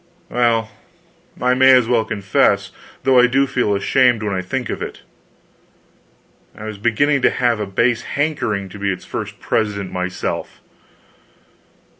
Well, I may as well confess, though I do feel ashamed when I think of it: I was beginning to have a base hankering to be its first president myself.